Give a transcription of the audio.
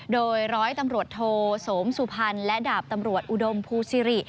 โดยร้อยตำรวจโทสมสุพรรณและดาบตำรวจอุดมภูซิริ